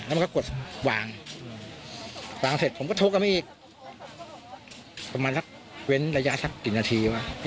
แล้วก็กดวางเสร็จผมก็ทกผ่ำมาอีกระยะสักกี่นาทีวะ